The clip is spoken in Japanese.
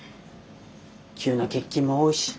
急な欠勤も多いし。